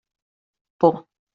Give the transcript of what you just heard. Por.